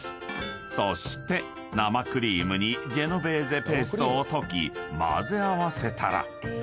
［そして生クリームにジェノベーゼペーストを溶き混ぜ合わせたら］